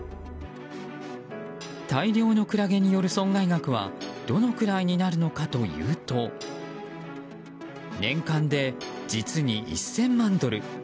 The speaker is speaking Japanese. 大量のクラゲによる損害額はどのくらいになるのかというと年間で実に１０００万ドル。